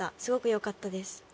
すごくよかったです。